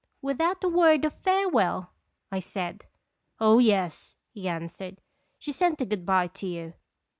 " Without a word of farewell!" I said. "Oh, yes," he answered; "she sent a good by to you.